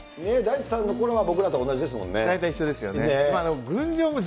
大地さんのころは、僕らと同じですもんね。